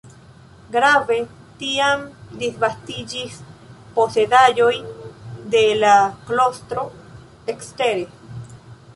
Grave tiam disvastiĝis posedaĵoj de la klostro ekstere.